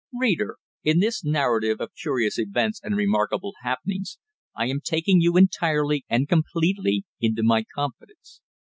Reader, in this narrative of curious events and remarkable happenings, I am taking you entirely and completely into my confidence.